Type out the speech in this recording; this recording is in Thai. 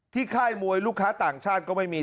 ค่ายมวยลูกค้าต่างชาติก็ไม่มี